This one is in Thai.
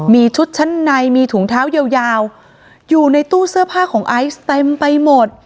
มีชุดชั้นในมีถุงเท้ายาวอยู่ในตู้เสื้อผ้าของไอซ์เต็มไปหมด